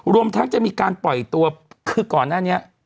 รวมทั้งจะมีการปล่อยตัวคือก่อนหน้านี้